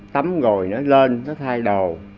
tắm rồi nó lên nó thay đồ